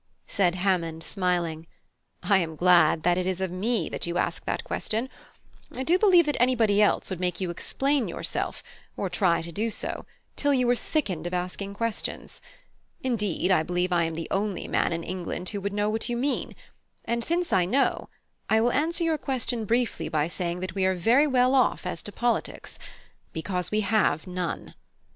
Said Hammond, smiling: "I am glad that it is of me that you ask that question; I do believe that anybody else would make you explain yourself, or try to do so, till you were sickened of asking questions. Indeed, I believe I am the only man in England who would know what you mean; and since I know, I will answer your question briefly by saying that we are very well off as to politics, because we have none.